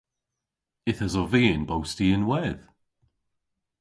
Yth esov vy y'n bosti ynwedh.